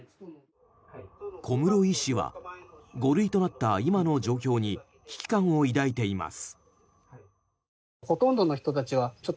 小室医師は５類となった今の状況に危機感を抱いています。